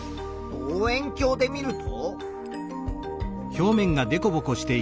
望遠鏡で見ると。